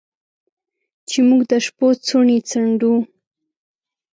چې موږ د شپو څوڼې څنډو